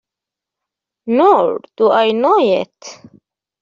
Nor do I know yet.